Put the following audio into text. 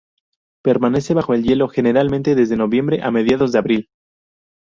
Permanece bajo el hielo generalmente desde noviembre a mediados de abril.